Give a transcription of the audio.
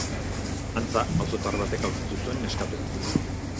Antza, auzotar batek aurkitu zuen neskatoa.